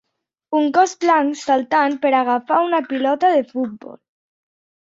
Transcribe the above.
Un gos blanc saltant per agafar una pilota de futbol.